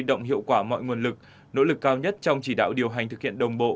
động hiệu quả mọi nguồn lực nỗ lực cao nhất trong chỉ đạo điều hành thực hiện đồng bộ